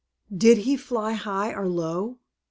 Did he fly high or low?